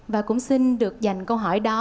và cũng xin được dành câu hỏi đó